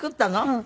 うん。